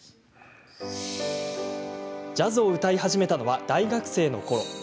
ジャズを歌い始めたのは大学生のころ。